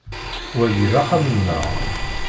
Wagi d axxam-nneɣ.